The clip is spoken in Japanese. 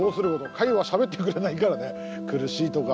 貝はしゃべってくれないからね「苦しい」とか。